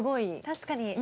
確かに。